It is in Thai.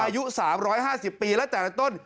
อายุ๓๕๐ปีแล้วแต่ละต้น